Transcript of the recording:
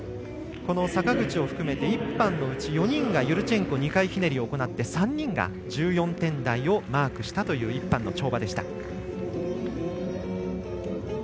坂口を含めて１班のうち４人がユルチェンコ２回ひねりを行って３人が１４点台をマークしたという１班の跳馬でした。